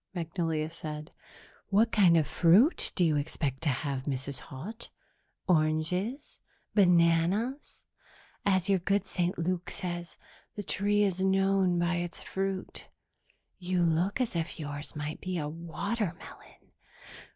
Magnolia said. "What kind of fruit do you expect to have, Mrs. Haut? Oranges? Bananas? As your good St. Luke says, the tree is known by its fruit. You look as if yours might be a watermelon."